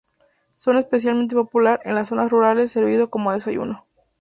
Es especialmente popular en las zonas rurales servido como desayuno.